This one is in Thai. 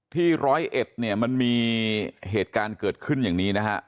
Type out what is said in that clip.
ร้อยเอ็ดเนี่ยมันมีเหตุการณ์เกิดขึ้นอย่างนี้นะฮะ